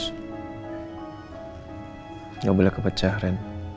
tidak boleh kepecah ren